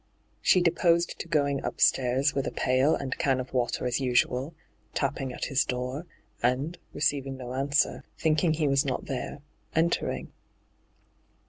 She deposed to going upstairs with a pail and can of water as usual, tapping at his door, and, receiving no answer, thinking he was not there, entering.